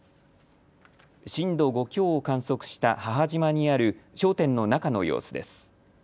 震度５強を観測した母島にある商店の中の様子です。